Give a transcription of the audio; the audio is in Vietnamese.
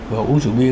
và uống rượu bia